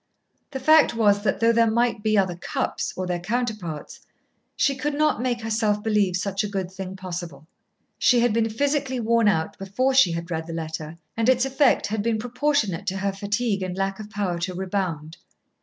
The fact was that though there might be other Cupps, or their counterparts, she could not make herself believe such a good thing possible. She had been physically worn out before she had read the letter, and its effect had been proportionate to her fatigue and lack of power to rebound.